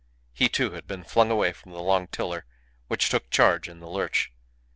He, too, had been flung away from the long tiller, which took charge in the lurch.